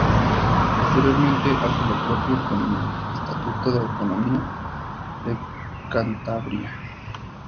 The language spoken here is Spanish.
Posteriormente hace lo propio con el Estatuto de Autonomía de Cantabria.